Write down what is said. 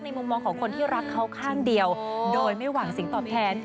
มุมมองของคนที่รักเขาข้างเดียวโดยไม่หวังสิ่งตอบแทน